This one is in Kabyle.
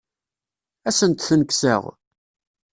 Ad asent-ten-kkseɣ?